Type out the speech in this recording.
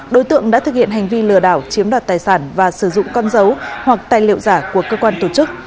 đối tượng đã thực hiện hành vi lừa đảo chiếm đoạt tài sản và sử dụng con dấu hoặc tài liệu giả của cơ quan tổ chức